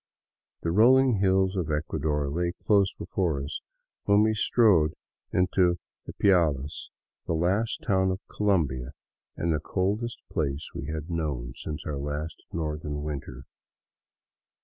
The rolling hills of Ecuador lay close before us when we strode into Ipiales, the last town of Colombia and the coldest place we had known since our last northern winter.